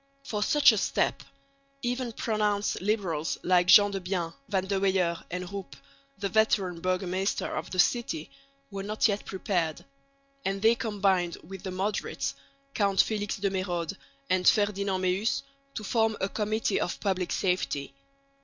For such a step even pronounced liberals like Gendebien, Van de Weyer and Rouppe, the veteran burgomaster of the city, were not yet prepared; and they combined with the moderates, Count Felix de Mérode and Ferdinand Meeus, to form a Committee of Public Safety.